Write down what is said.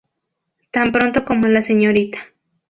Tan pronto como la Srta.